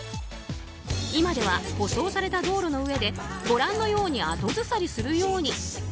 今では、舗装された道路の上でご覧のように後ずさりするように。